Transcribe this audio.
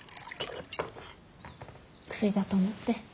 薬だと思って。